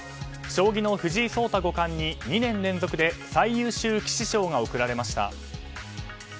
将棋の藤井聡太五冠に２年連続で最優秀棋士賞が贈られました。